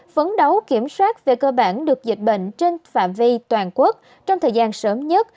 phấn đấu kiểm soát về cơ bản được dịch bệnh trên phạm vi toàn quốc trong thời gian sớm nhất